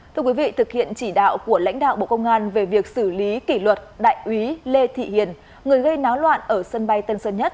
các ý kiến của lãnh đạo bộ công an về việc xử lý kỷ luật đại úy lê thị hiền người gây náo loạn ở sân bay tân sơn nhất